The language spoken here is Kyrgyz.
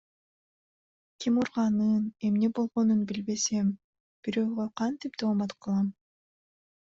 Ким урганын, эмне болгонун билбесем, бирөөгө кантип доомат кылам?